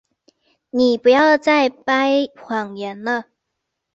你不要再掰谎言了。